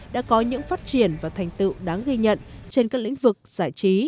đã có những phát triển và thành tựu đáng ghi nhận trên các lĩnh vực giải trí